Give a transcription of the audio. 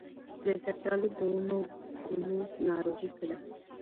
د زردالو د ونو ګوموز ناروغي څه ده؟